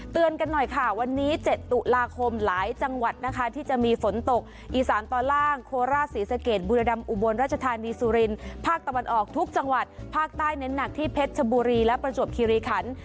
ที่เพชรชบุรีและประจวบคิริขันทร์